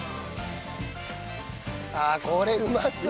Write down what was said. ああこれうまそう！